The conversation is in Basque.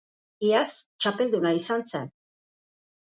Iaz txapelduna izan zen.